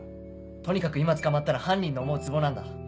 とにかく今捕まったら犯人の思うツボなんだ。